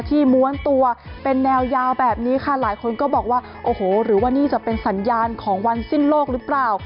ม้วนตัวเป็นแนวยาวแบบนี้ค่ะหลายคนก็บอกว่าโอ้โหหรือว่านี่จะเป็นสัญญาณของวันสิ้นโลกหรือเปล่า